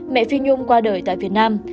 mẹ phi nhung qua đời tại việt nam